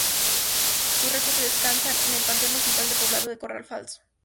Sus restos descansan en el panteón municipal del poblado de Corral Falso.